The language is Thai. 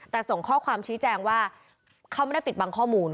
แต่ส่งข้อความชี้แจงว่าเขาไม่ได้ปิดบังข้อมูล